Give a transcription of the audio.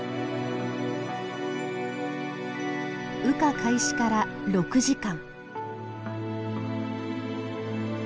羽化開始から６時間。